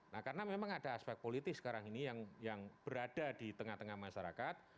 nah karena memang ada aspek politis sekarang ini yang berada di tengah tengah masyarakat